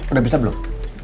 udah bisa belum